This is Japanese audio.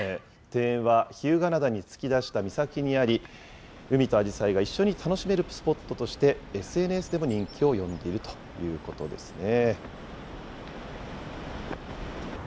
庭園は日向灘に突き出した岬にあり、海とアジサイが一緒に楽しめるスポットとして、ＳＮＳでも人気を呼んでいるということですね。